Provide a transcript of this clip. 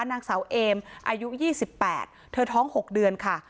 นางสาวเอมอายุ๒๘เธอท้อง๖เดือนค่ะ